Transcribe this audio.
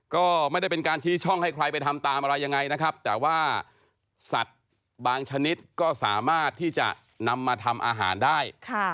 ก็ไม่ได้เป็นการชี้ช่องให้ใครไปทำตามอะไรยังไงนะครับแต่ว่าสัตว์บางชนิดก็สามารถที่จะนำมาทำอาหารได้